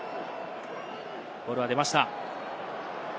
ボールが出ました。